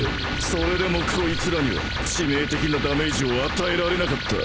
［それでもこいつらには致命的なダメージを与えられなかった］